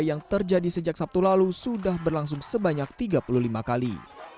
yang terjadi sejak sabtu lalu sudah berlangsung sebanyak tiga puluh lima kali